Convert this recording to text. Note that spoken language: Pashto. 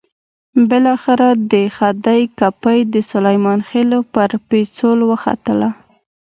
بالاخره د خدۍ کپۍ د سلیمان خېلو پر پېڅول وختله.